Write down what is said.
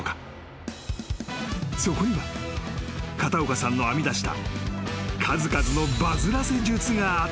［そこには片岡さんの編み出した］